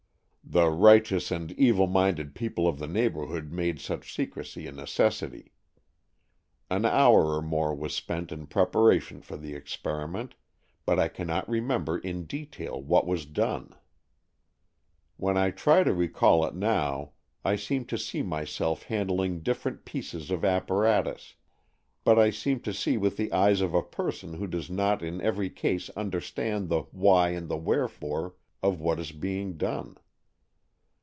The righteous and evil minded people of the neighbourhood made such secrecy a neces sity. An hour or more was spent in pre paration for the experiment, but I cannot remember in detail what was done. .When I AN EXCHANGE OF SOULS 159 try to recall it now, I seem to see myself handling different pieces of apparatus, but I seem to see with the eyes of a person who does not in every case understand the why and the wherefore of what is being done.